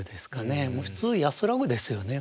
普通「安らぐ」ですよね。